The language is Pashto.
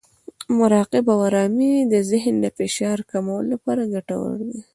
مراقبه او ارامۍ د ذهن د فشار کمولو لپاره ګټورې دي.